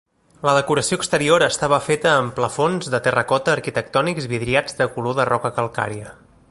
La decoració exterior estava feta en plafons de terracota arquitectònics vidriats de color de roca calcària.